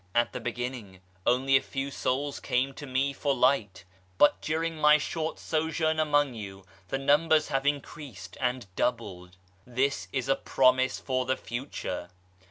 At the beginning only a few souls came to me for Light, but during my short sojourn among you the numbers have increased and doubled. This is a promise for the future